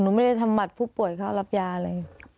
หนูไม่ได้ทำบัตรผู้ป่วยเขารับยาเลย